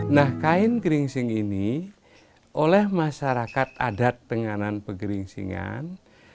nah kain geringsing ini oleh masyarakat adat tengganan peking seringan